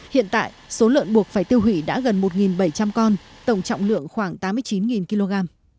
hiện tại số lợn buộc phải tiêu hủy đã gần một bảy trăm linh con tổng trọng lượng khoảng tám mươi chín kg